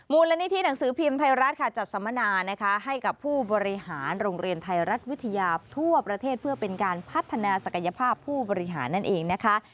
มูลนิธิหนังสือพิมพ์ไทยรัฐค่ะจัดสัมมนานะคะให้กับผู้บริหารโรงเรียนไทยรัฐวิทยาทั่วประเทศเพื่อเป็นการพัฒนาศักยภาพผู้บริหารนั่นเองนะคะ